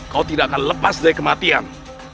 kau tidak akan lepas dari kematian